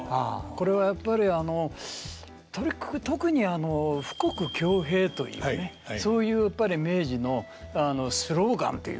これはやっぱりあの特にあの富国強兵というねそういうやっぱり明治のスローガンというのかな